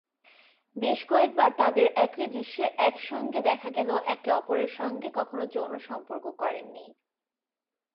বেশ কয়েকবার তাদের একই দৃশ্যে একসঙ্গে দেখা গেলেও একে অপরের সঙ্গে কখনো যৌন সম্পর্ক করেননি।